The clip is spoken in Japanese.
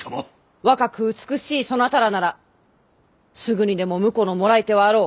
若く美しいそなたらならすぐにでも婿のもらい手はあろう。